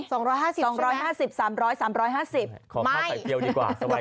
๒๕๐ใช่ไหมขอคาดใส่เดียวดีกว่าสวัสดีค่ะไม่